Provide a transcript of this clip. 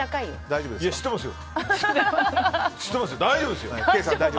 大丈夫ですよ。